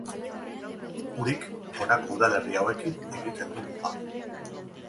Urik honako udalerri hauekin egiten du muga.